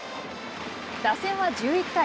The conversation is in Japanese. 打線は１１回。